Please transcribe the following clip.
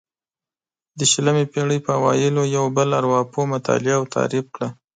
د شلمې پېړۍ په اوایلو یو بل ارواپوه مطالعه او تعریف کړه.